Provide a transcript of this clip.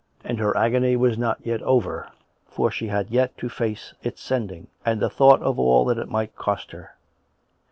And her agony was not yet over; for she had to face its sending, and the thought of all that it might cost her.